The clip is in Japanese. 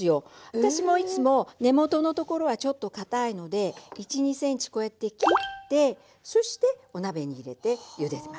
私もいつも根元のところはちょっとかたいので１２ｃｍこうやって切ってそしてお鍋に入れてゆでます。